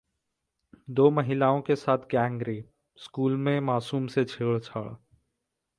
दो महिलाओं के साथ गैंगरेप, स्कूल में मासूम से छेड़छाड़